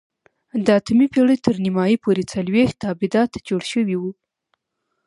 د اتمې پېړۍ تر نیمايي پورې څلوېښت ابدات جوړ شوي وو.